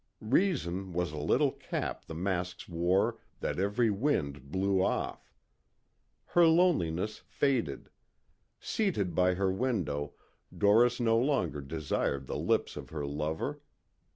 Reason was a little cap the masks wore that every wind blew off. Her loneliness faded. Seated by her window Doris no longer desired the lips of her lover.